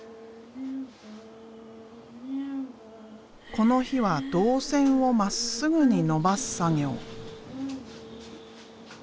この日は銅線をまっすぐに伸ばす作業。